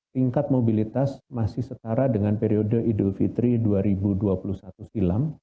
tingkat mobilitas masih setara dengan periode idul fitri dua ribu dua puluh satu silam